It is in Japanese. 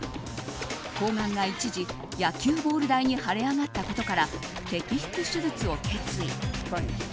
睾丸が一時、野球ボール大に腫れ上がったことから摘出手術を決意。